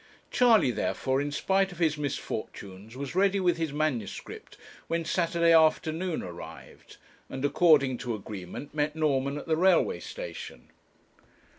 Charley, therefore, in spite of his misfortunes, was ready with his manuscript when Saturday afternoon arrived, and, according to agreement, met Norman at the railway station.